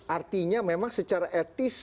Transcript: sebenarnya memang secara etis